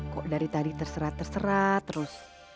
kok dari tadi terserah terserah terus